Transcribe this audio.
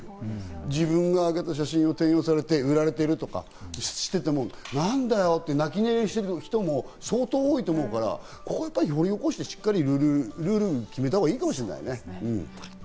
自分が上げた写真を転用されて売られてるとか、何だよ！って泣き寝入りしてる人も相当多いと思うから、ここは掘り起こして、ルールを決めたほうがいいかもしれないね。